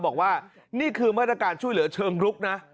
บอกว่านี่คือมาตรการช่วยเหลือเชิงรุกนะ